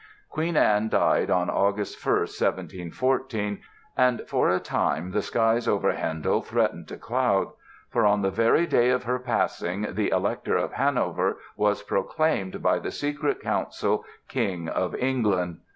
Queen Anne died on August 1, 1714, and for a time the skies over Handel threatened to cloud; for on the very day of her passing the Elector of Hanover was proclaimed by the Secret Council King of England.